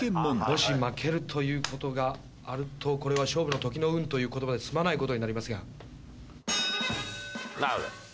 もし負けるという事があるとこれは「勝負の時の運」という言葉で済まない事になりますが。